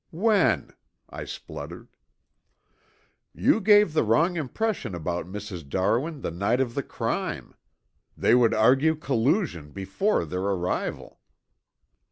"When?" I spluttered. "You gave the wrong impression about Mrs. Darwin the night of the crime. They would argue collusion before their arrival."